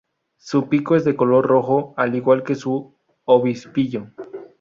Su pico es de color rojo, al igual que su obispillo.